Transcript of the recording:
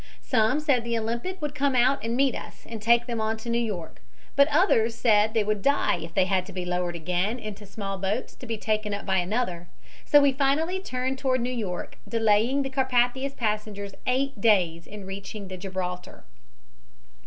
Some said the Olympic would come out and meet us and take them on to New York, but others said they would die if they had to be lowered again into small boats to be taken up by another, so we finally turned toward New York, delaying the Carpathia's passengers eight days in reaching Gibraltar."